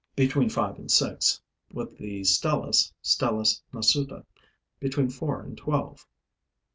between five and six; with the Stelis (Stelis nasuta), between four and twelve.